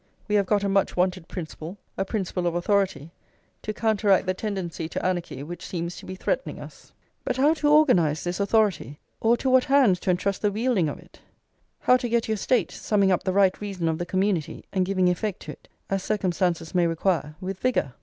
We have got a much wanted principle, a principle of authority, to counteract the tendency to anarchy which seems to be threatening us. But how to organise this authority, or to what hands to entrust the wielding of it? How to get your State, summing up the right reason of the community, and giving effect to it, as circumstances may require, with vigour?